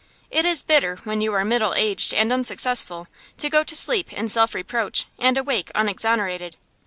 It is bitter, when you are middle aged and unsuccessful, to go to sleep in self reproach and awake unexonerated.